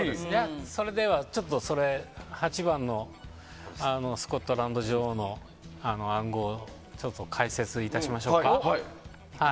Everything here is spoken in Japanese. それではちょっと８番のスコットランド女王の暗号を解説いたしましょう。